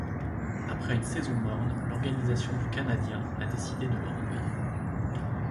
Après une saison morne, l'organisation du Canadien a décidé de le renvoyer.